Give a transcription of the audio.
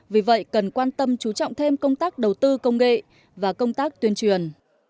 vì vậy cần quan tâm chú trọng thêm công tác đầu tư công nghệ và công tác tuyên truyền